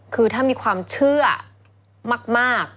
คือถ้ามีความเชื่อมาก